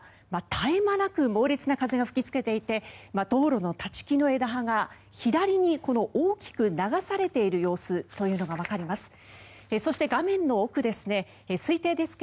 絶え間なく猛烈な風が吹きつけていて道路の立ち木の枝葉が左に大きく流されている様子というのがわかります。